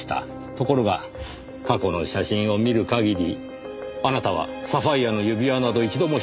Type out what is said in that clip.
ところが過去の写真を見る限りあなたはサファイアの指輪など一度もしていません。